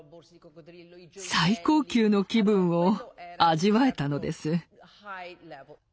最高級の気分を味わえたのです。